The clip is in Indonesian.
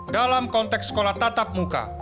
dalam konteks sekolah tatap muka